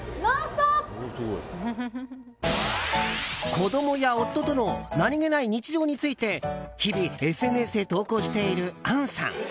子供や夫との何気ない日常について日々、ＳＮＳへ投稿している杏さん。